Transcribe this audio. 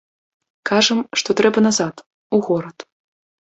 Кажам, што трэба назад, у горад.